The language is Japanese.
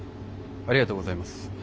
ありがとうございます。